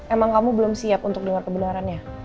emang kamu belum siap untuk dengar kebenarannya